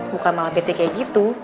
bukan malah betik kayak gitu